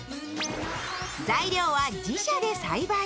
材料は自社で栽培。